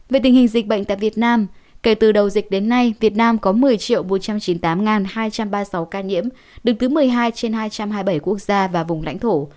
về tình hình dịch bệnh tại việt nam kể từ đầu dịch đến nay việt nam có một mươi bốn trăm chín mươi tám hai trăm ba mươi sáu ca nhiễm đứng thứ một mươi hai trên hai trăm hai mươi bảy quốc gia và vùng lãnh thổ